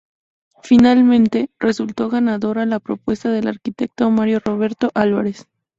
Finalmente, resultó ganadora la propuesta del arquitecto Mario Roberto Álvarez.